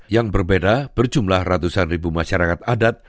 yang berbeda berjumlah ratusan ribu masyarakat adat